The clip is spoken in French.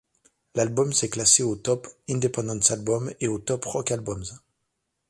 L'album s'est classé au Top Independent Albums et au Top Rock Albums.